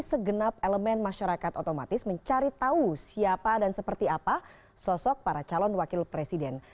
segenap elemen masyarakat otomatis mencari tahu siapa dan seperti apa sosok para calon wakil presiden